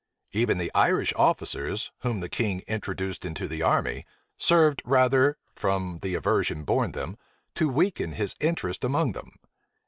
Even the Irish officers, whom the king introduced into the army, served rather, from the aversion borne them, to weaken his interest among them.